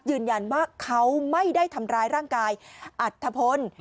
ยืนยันว่าเขาไม่ได้ทำร้ายร่างกายอัธพล